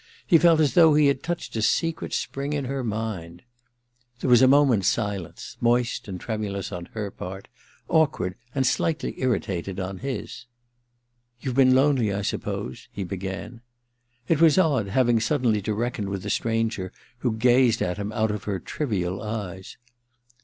He felt as though he had touched a secret spring in her mind. There was a moment's silence, moist and tremulous on her part, awkward and slightly irritated on his. * YouVe been lonely, I suppose ?' he began. It was odd, having suddenly to reckon with 1 66 THE MISSION OF JANE i the stranger who gazed at him out of her trivial eyes.